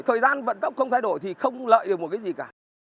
thời gian vận tốc không thay đổi thì không lợi được một cái gì cả